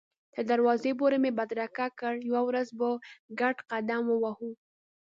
تر دروازې پورې مې بدرګه کړ، یوه ورځ به په ګډه قدم هم ووهو.